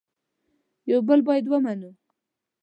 یو بل باید ومنو